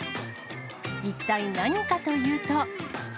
一体何かというと。